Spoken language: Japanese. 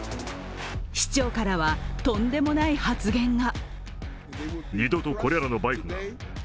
市長からは、とんでもない発言が。